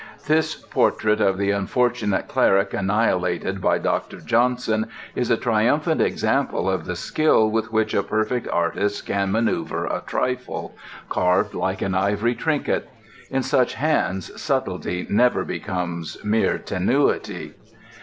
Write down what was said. This portrait of the unfortunate cleric annihilated by Dr. Johnson is a triumphant example of the skill with which a perfect artist can manœuver a trifle, carved like an ivory trinket; in such hands, subtlety never becomes mere tenuity.